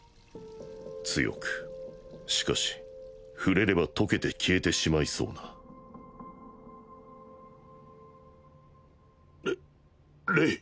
強くしかし触れれば溶けて消えてしまいそうな現在れ冷！